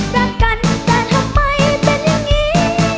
รักกันแต่ทำไมเป็นอย่างนี้